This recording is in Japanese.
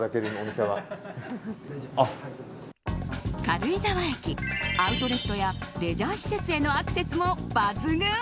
軽井沢駅アウトレットやレジャー施設へのアクセスも抜群。